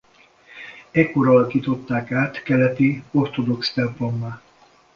Ekkor alakították át keleti ortodox templommá.